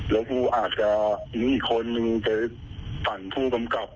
แล้วอ่านนี้มันปั่นผู้กำกับ